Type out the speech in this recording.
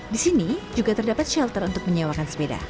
di sini juga terdapat shelter untuk menyewakan sepeda